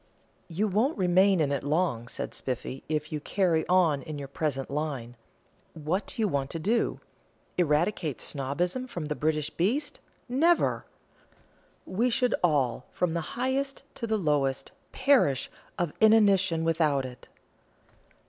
"You won't remain in it long," said Spiffy, "if you carry on in your present line. What do you want to do? Eradicate snobbism from the British breast? never! We should all, from the highest to the lowest, perish of inanition without it."